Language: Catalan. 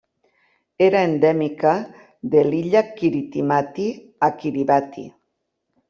Era endèmica de l'illa Kiritimati a Kiribati.